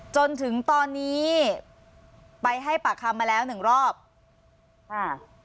จนถึงตอนนี้ไปให้ปากคำมาแล้วหนึ่งรอบค่ะ